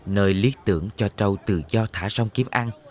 nơi lý tưởng cho trâu tự do thả xong kiếm ăn